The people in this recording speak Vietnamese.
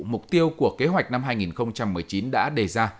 mục tiêu của kế hoạch năm hai nghìn một mươi chín đã đề ra